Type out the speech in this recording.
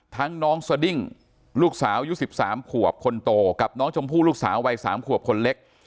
น้องสดิ้งลูกสาวอายุ๑๓ขวบคนโตกับน้องชมพู่ลูกสาววัย๓ขวบคนเล็ก